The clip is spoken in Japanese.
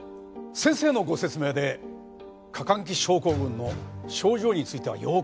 先生のご説明で過換気症候群の症状についてはよくわかりました。